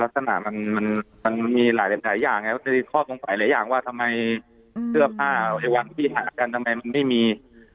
ลักษณะมันมีหลายหลายอย่างข้อตรงไปหลายอย่างว่าทำไมเสื้อผ้าไว้วันที่หากันทำไมมันไม่มี